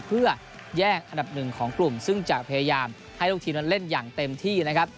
เพื่อแยกอันดับหนึ่งของกลุ่มซึ่งจะพยายามให้ลูกทีมนั้นเล่นอย่างเต็มที่นะครับ